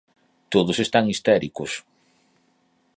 Todos están histéricos.